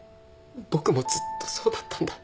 僕もずっとそうだったんだ。